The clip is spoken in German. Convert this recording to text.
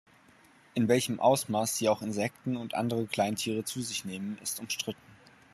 In welchem Ausmaß sie auch Insekten und andere Kleintiere zu sich nehmen, ist umstritten.